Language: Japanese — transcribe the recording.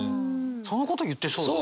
そのこと言ってそうだね。